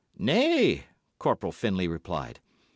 "Nae," Corporal Findlay replied.